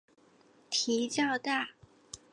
蹄较大。